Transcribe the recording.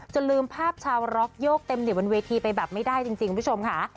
ลืมภาพชาวร็อกโยกเต็มดิบบนเวทีไปแบบไม่ได้จริงคุณผู้ชมค่ะ